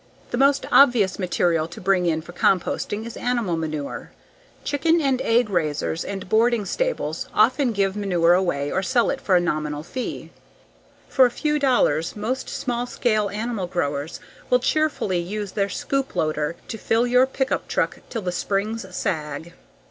The most obvious material to bring in for composting is animal manure. Chicken and egg raisers and boarding stables often give manure away or sell it for a nominal fee. For a few dollars most small scale animal growers will cheerfully use their scoop loader to fill your pickup truck till the springs sag.